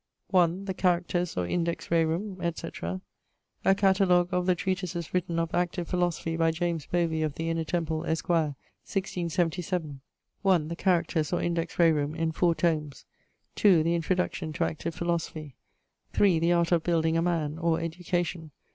1. The Characters, or Index Rerum A Catalogue of the treatises written of Active Philosophy by James Bovey, of the Inner Temple, esquire, 1677. 1. The Characters, or Index Rerum: in 4 tomes. 2. The Introduction to Active Philosophy. 3. The Art of Building a Man: or Education.